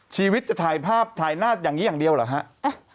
ชีวิตจะถ่ายหน้าอย่างนี้อย่างเดียวหรือครับ